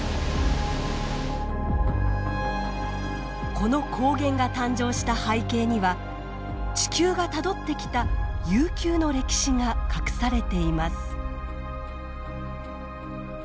この高原が誕生した背景には地球がたどってきた悠久の歴史が隠されています。